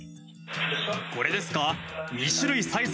これですか？